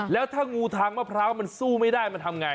แล้วถ้างูทางมะพร้าวมันสู้ไม่ได้มันทำไง